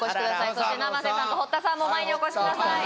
そして生瀬さんと堀田さんも前にお越しください